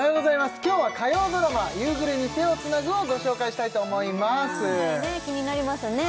今日は火曜ドラマ「夕暮れに、手をつなぐ」をご紹介したいと思いますねえ